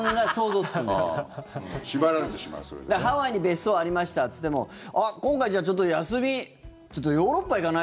ハワイに別荘ありましたっていっても今回じゃあちょっと休みヨーロッパ行かない？